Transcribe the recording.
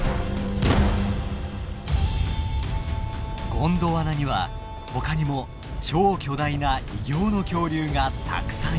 ゴンドワナにはほかにも超巨大な異形の恐竜がたくさんいます。